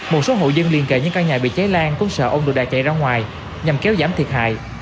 một số hộ dân liên kệ những căn nhà bị cháy lan cũng sợ ông được đã chạy ra ngoài nhằm kéo giảm thiệt hại